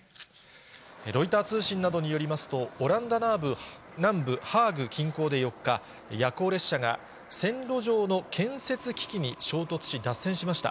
ロイター通信などによりますと、オランダ南部ハーグ近郊で４日、夜行列車が線路上の建設機器に衝突し、脱線しました。